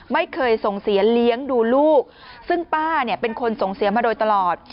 ไม่เคยส่งเสียเลี้ยงดูลูกซึ่งป้าเนี่ยเป็นคนส่งเสียมาโดยตลอด